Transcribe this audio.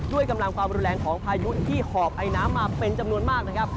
กำลังความรุนแรงของพายุที่หอบไอน้ำมาเป็นจำนวนมากนะครับ